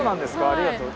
ありがとう。